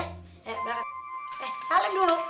eh salim dulu